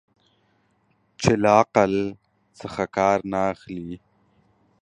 چې له عقل څخه کار نه اخلي.